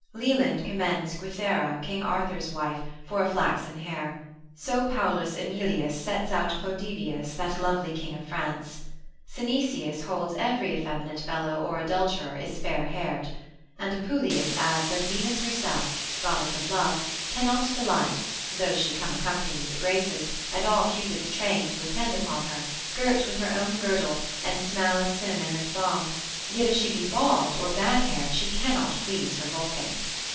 Leland commends Guithera, king Arthur's wife, for a flaxen hair: so Paulus Aemilius sets out Clodeveus, that lovely king of France. Synesius holds every effeminate fellow or adulterer is fair haired: and Apuleius adds that Venus herself, goddess of love, cannot delight, though she come accompanied with the graces, and all Cupid's train to attend upon her, girt with her own girdle, and smell of cinnamon and balm, yet if she be bald or badhaired, she cannot please her Vulcan.